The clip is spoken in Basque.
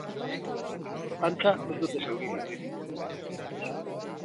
Antza ez dute zauri larririk.